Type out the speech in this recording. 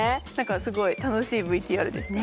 すごい楽しいＶＴＲでした。